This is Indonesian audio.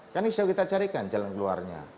kan bisa kita carikan jalan keluarnya